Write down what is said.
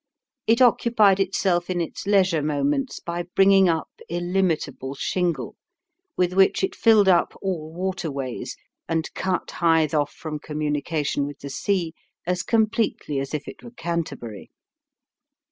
It occupied itself in its leisure moments by bringing up illimitable shingle, with which it filled up all water ways, and cut Hythe off from communication with the sea as completely as if it were Canterbury.